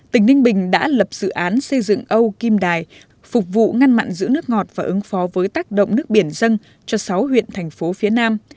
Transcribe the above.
tỉnh ninh bình đã lập dự án xây dựng âu kim đài phục vụ ngăn mặn giữ nước ngọt và ứng phó với tác động nước biển dân cho sáu huyện thành phố phía nam